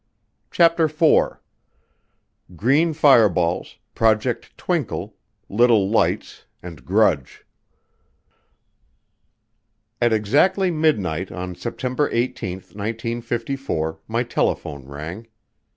CHAPTER FOUR Green Fireballs, Project Twinkle, Little Lights, and Grudge At exactly midnight on September 18, 1954, my telephone rang.